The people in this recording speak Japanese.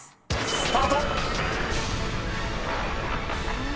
スタート！］